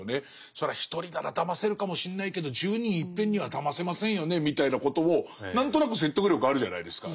それは１人ならだませるかもしんないけど１０人いっぺんにはだませませんよねみたいなことを何となく説得力あるじゃないですか。